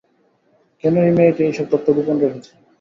কেন এই মেয়েটি এইসব তথ্য গোপন রেখেছে?